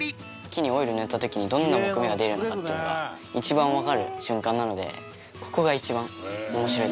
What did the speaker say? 木にオイル塗った時にどんな杢目が出るのかっていうのが一番わかる瞬間なのでここが一番面白いとこです。